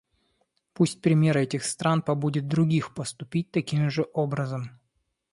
Пусть пример этих стран побудит других поступить таким же образом.